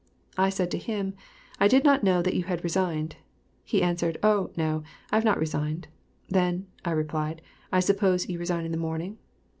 I said to him, "I did not know that you had resigned." He answered; "Oh, no, I have not resigned." "Then," I replied, "I suppose you resign in the morning."